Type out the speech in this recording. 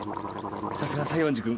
さすが西園寺君。